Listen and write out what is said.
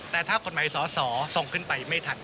แต่ถ้ากฎหมายสอสอส่งขึ้นไปไม่ทัน